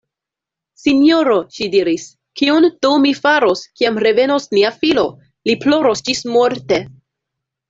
Sinjoro! ŝi diris, kion do mi faros, kiam revenos nia filo? Li ploros ĝismorte.